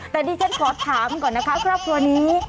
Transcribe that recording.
แต่ดิฉันขอถามก่อนนะคะครอบครัวนี้